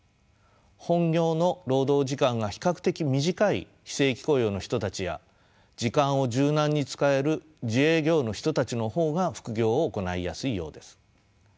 本業の労働時間が比較的短い非正規雇用の人たちや時間を柔軟に使える自営業の人たちの方が副業を行いやすいようです。